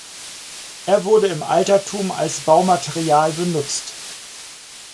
Es wurde im Altertum als Baumaterial benutzt.